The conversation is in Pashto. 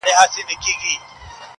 عاقبت به خپل تاریخ ته مختورن یو -